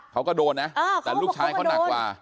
เขาก็โดนนะแต่ลูกชายเขาหนักกว่า